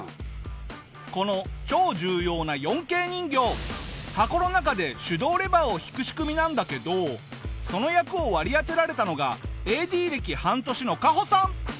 この超重要な４Ｋ人形箱の中で手動レバーを引く仕組みなんだけどその役を割り当てられたのがＡＤ歴半年のカホさん！